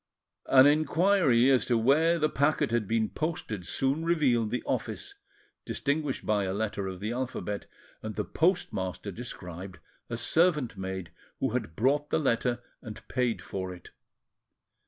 An inquiry as to where the packet had been posted soon revealed the office, distinguished by a letter of the alphabet, and the postmaster described a servant maid who had brought the letter and paid for it.